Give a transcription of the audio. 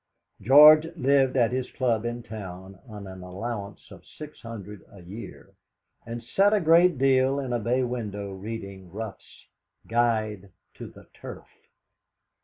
George lived at his club in town on an allowance of six hundred a year, and sat a great deal in a bay window reading Ruff's "Guide to the Turf."